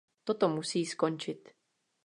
Toto musí skončit.